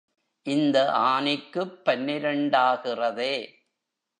இந்த ஆனிக்குப் பன்னிரண்டாகிறதே.